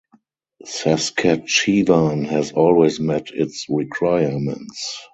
Saskatchewan has always met its requirements.